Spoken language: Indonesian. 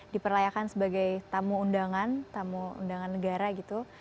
diperlayakan sebagai tamu undangan tamu undangan negara gitu